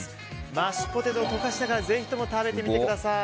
マッシュポテトを溶かしながらぜひとも食べてみてください。